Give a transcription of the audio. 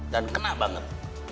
dan kena banget